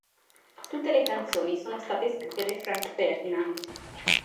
Tutte le canzoni sono state scritte dai Franz Ferdinand.